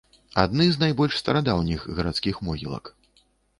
Адны з найбольш старадаўніх гарадскіх могілак.